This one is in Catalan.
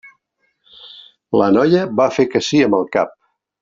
La noia va fer que sí amb el cap.